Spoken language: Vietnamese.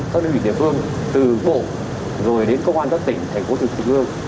các địa phương từ bộ rồi đến công an các tỉnh thành phố tỉnh tỉnh vương